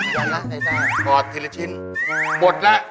ย้อนละในร้านปลอดทีละชิ้นหมดแล้ว